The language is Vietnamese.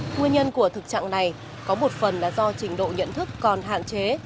nguyên nhân của thực trạng này có một phần là do trình độ nhận thức còn hạn chế